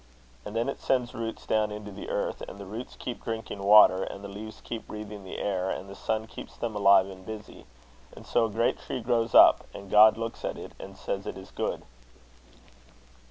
And then it sends roots down into the earth; and the roots keep drinking water, and the leaves keep breathing the air, and the sun keeps them alive and busy; and so a great tree grows up, and God looks at it, and says it is good."